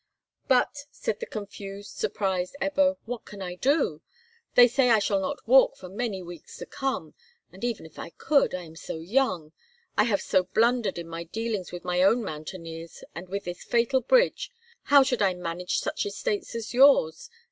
"But," said the confused, surprised Ebbo, "what can I do? They say I shall not walk for many weeks to come. And, even if I could, I am so young—I have so blundered in my dealings with my own mountaineers, and with this fatal bridge—how should I manage such estates as yours?